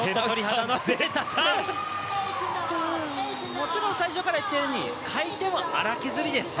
もちろん最初から言っているように回転は粗削りです。